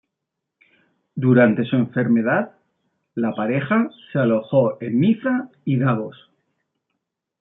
Durante su enfermedad, la pareja se alojó en Niza y Davos.